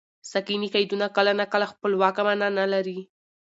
ساکني قیدونه کله ناکله خپلواکه مانا نه لري.